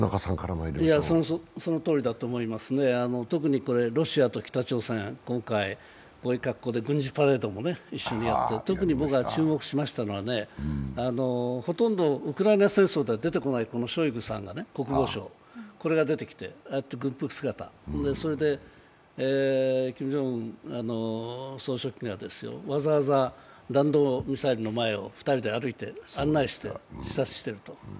そのとおりだと思いますね、特にロシアと北朝鮮、今回、こういう格好で軍事パレードも一緒にやって特に僕が注目したのはほとんどウクライナ戦争では出てこないショイグ国防相、これが出てきて軍服姿、それでキム・ジョンウン総書記がわざわざ弾道ミサイルの前を２人で歩いて、案内して視察していると。